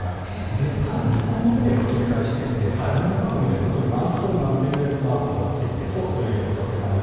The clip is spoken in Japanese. かなり日本のメディアを警戒していて日本の各メディアにマンツーマンでマークがついて撮影をさせないように。